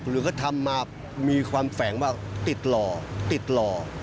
หรือว่าเขาทำมามีความแฝงว่าติดหล่อ